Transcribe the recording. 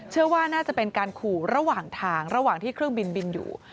เชื่อว่าน่าจะเป็นการขู่ระหว่างทางระหว่างที่เครื่องบินบินอยู่